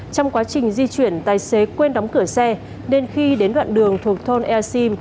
trong quá trình di chuyển tài xế quên đóng cửa xe nên khi đến đoạn đường thuộc thôn ea sim